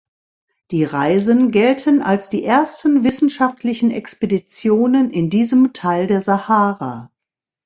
Die Reisen gelten als die ersten wissenschaftlichen Expeditionen in diesem Teil der Sahara.